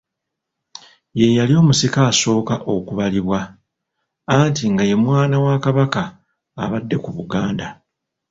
Ye yali omusika asooka okubalibwa, anti nga ye mwana wa Kabaka abadde ku Buganda.